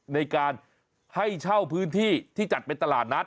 ในการให้เช่าพื้นที่ที่จัดเป็นตลาดนัด